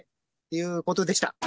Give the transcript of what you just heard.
いうことでした。